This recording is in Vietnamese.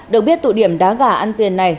được biết tội điểm đá gà ăn tiền này